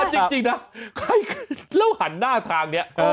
จริงนะแล้วหันหน้าทางนี้